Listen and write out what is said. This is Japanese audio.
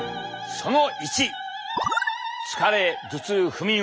その１。